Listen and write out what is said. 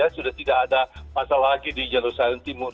sudah tidak ada masalah lagi di jerusalem timur